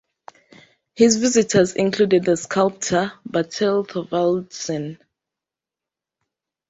His visitors included the sculptor Bertel Thorvaldsen.